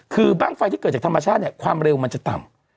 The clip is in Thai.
คือบ้างไฟที่เกิดจากธรรมชาติเนี่ยความเร็วมันจะต่ำ